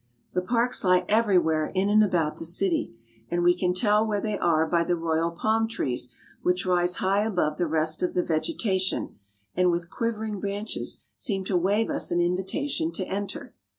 The parks lie everywhere in and about the city, and we can tell where they are by the royal palm trees which rise high above the rest of the vegetation and with quivering branches seem to wave us an invitation to enter.